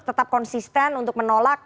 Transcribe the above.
tetap konsisten untuk menolak